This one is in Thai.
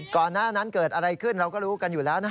ก่อนหน้านั้นเกิดอะไรขึ้นเราก็รู้กันอยู่แล้ว